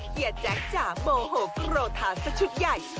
เกลียดแจ๊กจ้าโมโหกรโหทาสักชุดใหญ่